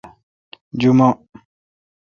جمعہ